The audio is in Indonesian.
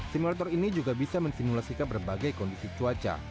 simulator ini juga bisa mensimulasikan berbagai kondisi cuaca